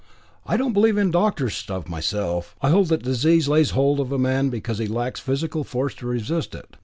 I don't believe in doctors' stuffs myself. I hold that disease lays hold of a man because he lacks physical force to resist it.